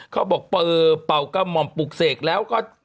เค้าบอกเปอ๋เปากมมปุกเสกแล้วก็